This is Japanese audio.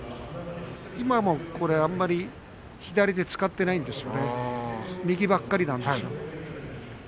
今もこれ、あんまり左手使っていないんですね右ばかりなんですよ。